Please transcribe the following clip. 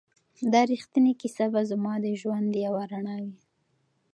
دا ریښتینې کیسه به زما د ژوند یوه رڼا وي.